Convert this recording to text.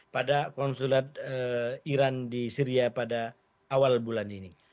pada konsulat iran di syria pada awal bulan ini